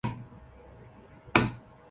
状况只会越来越糟糕